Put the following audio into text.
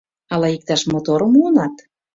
— Ала иктаж моторым муынат?